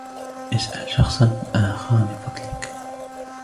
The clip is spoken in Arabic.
اسأل شخصا آخر من فضلك.